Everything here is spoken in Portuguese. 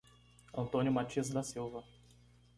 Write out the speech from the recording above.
Antônio Mathias da Silva